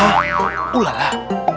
hah ulah lah